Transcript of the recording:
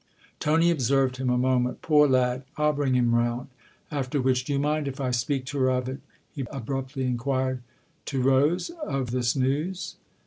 Tony observed him a moment. " Poor lad, I'll bring him round !" After which, " Do you mind if I speak to her of it ?" he abruptly inquired. " To Rose of this news